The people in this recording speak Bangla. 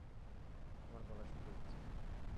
আমার গলা শুকিয়ে গেছে।